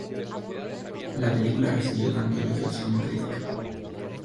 La película recibió tanto elogios como crítica.